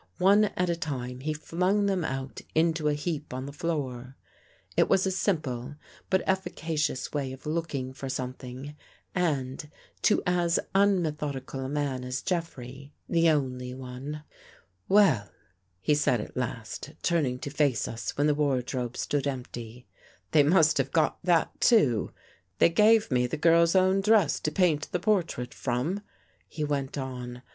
One at a time he flung them out into a heap on the floor. It was a simple, but efficacious way of looking for something and, to as unmethod ical a man as Jeffrey, the only one. " Well," he said at last, turning to face us when the wardrobe stood empty. " They must have got that, too. They gave me the girl's own dress to paint the portrait from," he went on.